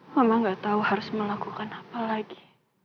mama gak tahu harus melakukan apa lagi